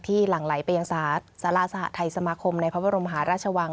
ที่หลังไหลไปอย่างศาสตร์ศาลาสหรัฐไทยสมาคมในพระบรมหาราชวัง